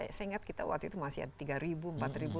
saya ingat kita waktu itu masih ada tiga ribu empat ribu